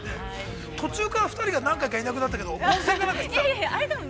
途中から２人が何回かいなくなったけど温泉か何か行ってたの。